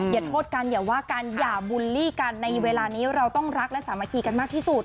อย่าโทษกันอย่าว่ากันอย่าบุลลี่กันในเวลานี้เราต้องรักและสามัคคีกันมากที่สุด